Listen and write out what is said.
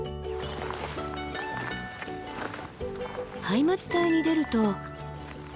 ハイマツ帯に出ると。